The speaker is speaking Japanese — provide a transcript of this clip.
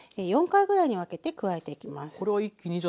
４回ぐらいに分けて加えていきます。